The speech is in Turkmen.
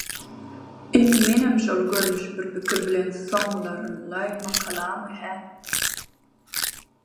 Indi menem şol görnüş bir pikir bilen soňlarynlaý makalamy, hä?